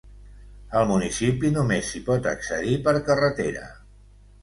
Al municipi només s'hi pot accedir per carretera.